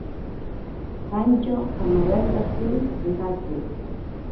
Pantyo amawaitatsi nijaki.